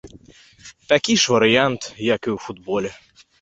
Такі ж варыянт, як і ў футболе.